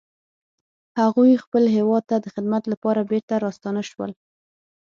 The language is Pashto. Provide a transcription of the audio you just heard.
هغوی خپل هیواد ته د خدمت لپاره بیرته راستانه شول